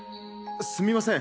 すみません